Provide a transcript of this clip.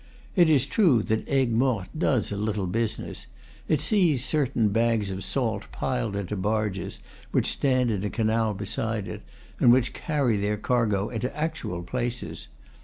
It is true that Aigues Mortes does a little busi ness; it sees certain bags of salt piled into barges which stand in a canal beside it, and which carry their cargo into actual places.